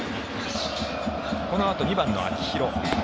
このあと２番の秋広。